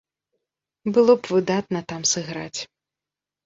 Было б выдатна там сыграць.